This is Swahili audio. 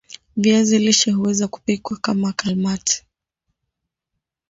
Viazi lishe huweza kupikwa kama kalmati